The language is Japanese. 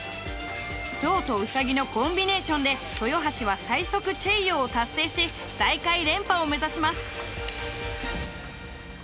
ゾウとウサギのコンビネーションで豊橋は最速チェイヨーを達成し大会連覇を目指します。